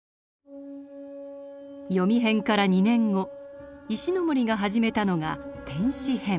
「ヨミ編」から２年後石森が始めたのが「天使編」。